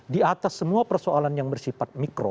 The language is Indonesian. di atas semua persoalan yang bersifat mikro